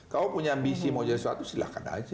kamu punya ambisi mau jadi sesuatu silahkan aja